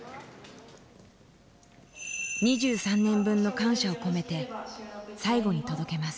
２３年分の感謝を込めて最後に届けます。